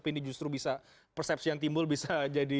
atau nanti justru bisa persepsi yang timbul bisa jadi